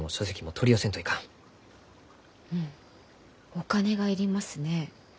お金が要りますね。